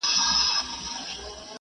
فارابي افلاطون ته ورته فکر لري.